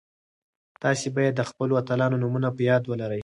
تاسي باید د خپلو اتلانو نومونه په یاد ولرئ.